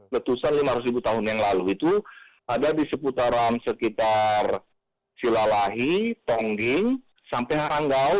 letusan lima ratus ribu tahun yang lalu itu ada di seputaran sekitar silalahi tongging sampai haranggau